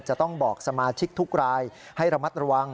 จะต้องบอกสมาชิกทุกรายให้ระมัดระวัง